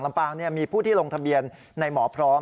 ปางมีผู้ที่ลงทะเบียนในหมอพร้อม